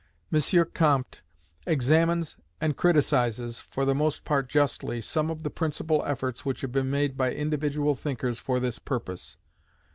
M. Comte examines and criticises, for the most part justly, some of the principal efforts which have been made by individual thinkers for this purpose.